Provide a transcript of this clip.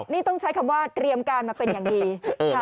นี่ต้องใช้คำว่าเตรียมการมาเป็นอย่างดีค่ะ